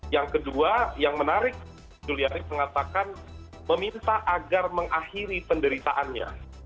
yang kedua yang menarik juliarif mengatakan meminta agar mengakhiri penderitaannya